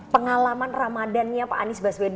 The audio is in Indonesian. pengalaman ramadannya pak anies